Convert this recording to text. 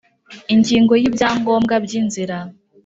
Ingingo yi bya ngombwa byinzira